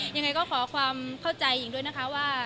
ยังไงก็ขอความเข้าใจหญิงด้วยนะคะว่า